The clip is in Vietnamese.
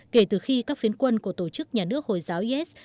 kể từ khi các phiến quân của tổ chức nhà nước hồi giáo is